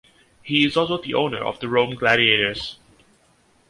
He is also the owner of the Rome Gladiators.